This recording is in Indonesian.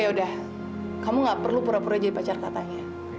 ya udah kamu gak perlu pura pura jadi pacar katanya